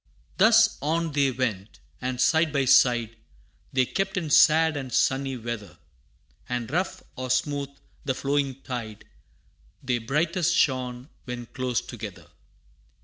Thus on they went, and side by side, They kept in sad and sunny weather, And rough or smooth the flowing tide, They brightest shone when close together.